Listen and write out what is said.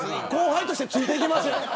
後輩としてついていけません。